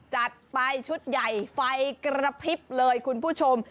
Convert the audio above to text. จัดไปชุดใหญ่ไฟกระพริบเลยคุณผู้ชม